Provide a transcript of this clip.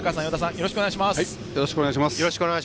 よろしくお願いします。